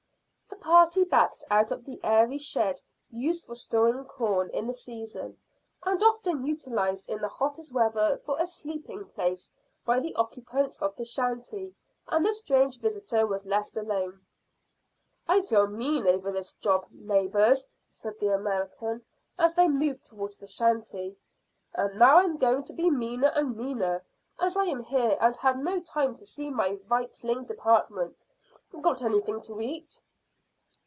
The party backed out of the airy shed used for storing corn in the season, and often utilised in the hottest weather for a sleeping place by the occupants of the shanty, and the strange visitor was left alone. "I feel mean over this job, neighbours," said the American, as they moved towards the shanty; "and now I'm going to be meaner and meaner, as I am here and had no time to see to my vittling department. Got anything to eat?"